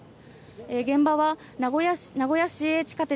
現場は名古屋市営地下鉄